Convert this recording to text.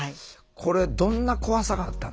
これどんな怖さがあったんですか？